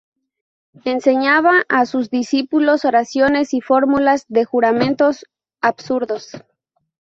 Enseñaba a sus discípulos oraciones y fórmulas de juramentos absurdos.